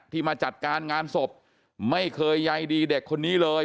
มาจัดการงานศพไม่เคยใยดีเด็กคนนี้เลย